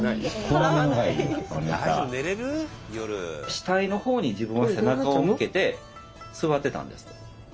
死体の方に自分は背中を向けて座ってたんですって。